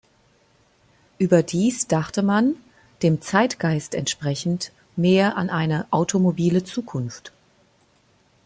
Überdies dachte man, dem Zeitgeist entsprechend, mehr an eine automobile Zukunft.